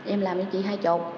em làm cho chị hai mươi